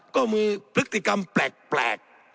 ก็มีพฤติกรรมแปลก